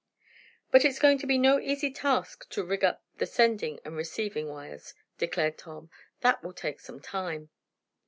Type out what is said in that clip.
"But it's going to be no easy task to rig up the sending and receiving wires," declared Tom. "That will take some time."